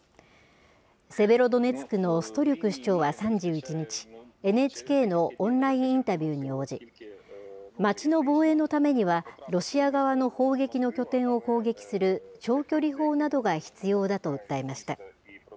セベロドネツクのストリュク市長は３１日、ＮＨＫのオンラインインタビューに応じ、街の防衛のためには、ロシア側の砲撃の拠点を攻撃する長距離砲などが必要だと訴えました。